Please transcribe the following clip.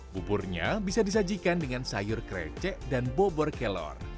buburnya bisa disajikan dengan sayur krecek dan bobor kelor